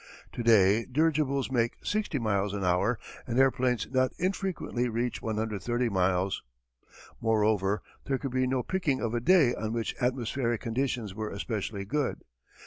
To day dirigibles make sixty miles an hour, and airplanes not infrequently reach 130 miles. Moreover there could be no picking of a day on which atmospheric conditions were especially good.